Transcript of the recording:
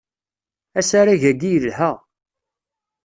Asarag-agi yelha.